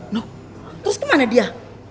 loh terus kemana dia